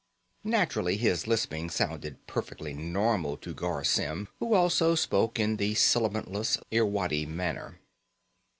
Naturally, his lisping sounded perfectly normal to Garr Symm, who also spoke in the sibilantless Irwadi manner.